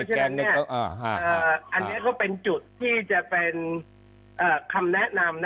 อันนี้ก็เป็นจุดที่จะเป็นคำแนะนำ